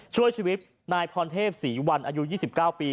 ช่วยชีวิตนายพรเทพศรีวันอายุ๒๙ปี